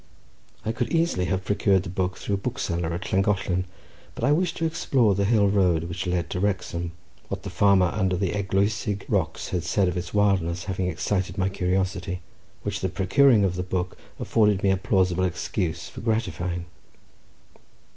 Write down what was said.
I could easily have procured the work through a bookseller at Llangollen, but I wished to explore the hill road which led to Wrexham, what the farmer under the Eglwysig rocks had said of its wildness having excited my curiosity, which the procuring of the book afforded me a plausible excuse for gratifying.